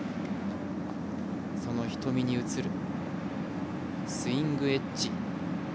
その瞳に映るスイングエッジ。